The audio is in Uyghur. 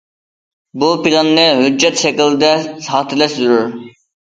بۇ پىلاننى ھۆججەت شەكلىدە خاتىرىلەش زۆرۈر.